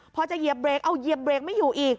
พอจะเหยียบเรกเอาเหยียบเบรกไม่อยู่อีก